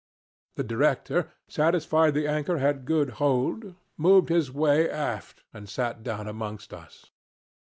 The Director, satisfied the anchor had good hold, made his way aft and sat down amongst us.